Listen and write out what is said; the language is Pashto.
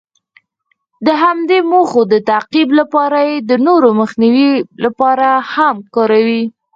د همدې موخو د تعقیب لپاره یې د نورو د مخنیوي لپاره هم کاروي.